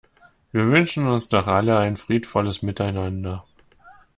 Wir wünschen uns doch alle ein friedvolles Miteinander.